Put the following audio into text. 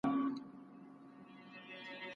تسلیت لره مي راسی، لږ یې غم را سره یوسی